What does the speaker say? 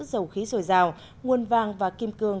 dầu khí dồi dào nguồn vàng và kim cương